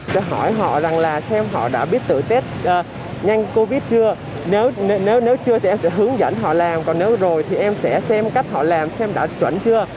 tôi hỏi họ rằng là xem họ đã biết từ tết nhanh covid chưa nếu chưa thì em sẽ hướng dẫn họ làm còn nếu rồi thì em sẽ xem cách họ làm xem đã chuẩn chưa